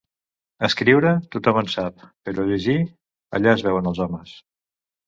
Escriure, tothom en sap, però llegir, allà es veuen els homes.